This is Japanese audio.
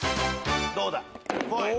どうだ？